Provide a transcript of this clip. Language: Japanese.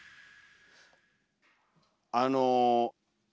あの。